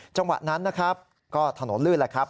จังหวะนั้นนะครับก็ถนนลื่นแหละครับ